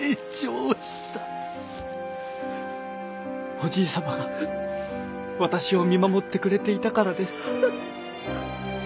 おじい様が私を見守ってくれていたからです。